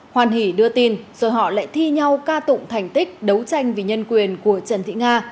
hoàn hỷ đưa tin rồi họ lại thi nhau ca tụng thành tích đấu tranh vì nhân quyền của trần thị nga